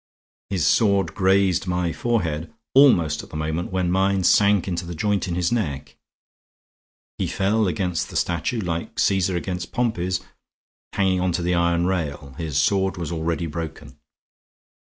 His sword grazed my forehead almost at the moment when mine sank into the joint in his neck. He fell against the statue, like Caesar against Pompey's, hanging on to the iron rail; his sword was already broken.